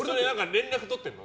連絡取ってるの？